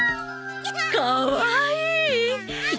かわいい！